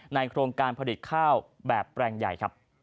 โครงการผลิตข้าวแบบแปลงใหญ่ครับ